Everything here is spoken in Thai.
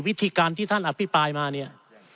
วิธีการที่ท่านอภิปรายมาเนี่ย